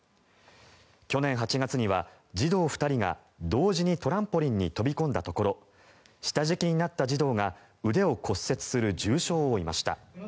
去年８月には児童２人が同時にトランポリンに飛び込んだところ下敷きになった児童が腕を骨折する重傷を負いました。